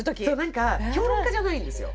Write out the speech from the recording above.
何か評論家じゃないんですよ。